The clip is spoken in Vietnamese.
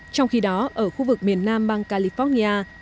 trong khi đó ở khu vực miền nam bang california